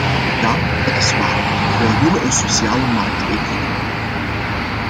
Ja, dat is waar, wij willen een sociale markteconomie!